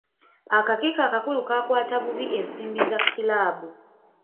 Akakiiko akakulu kaakwata bubi ensimbi za kiraabu.